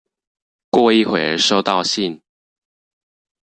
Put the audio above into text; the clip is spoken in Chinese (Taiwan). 過一會兒收到信